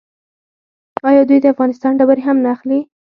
آیا دوی د افغانستان ډبرې هم نه اخلي؟